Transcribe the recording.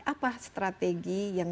apa strategi yang